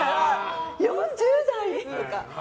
４０代に？とか。